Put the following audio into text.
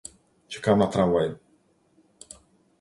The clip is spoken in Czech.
Čekám na tramvaj.